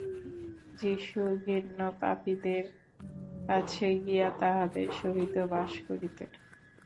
যীশু ঘৃণ্য পাপীদের কাছে গিয়া তাহাদের সহিত বাস করিতেন।